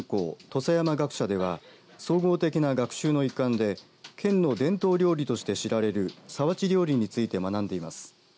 土佐山学舎では総合的な学習の一環で県の伝統料理として知られる皿鉢料理について学んでいます。